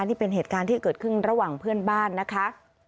นี่เป็นเหตุการณ์ที่เกิดขึ้นระหว่างเพื่อนบ้านนะคะ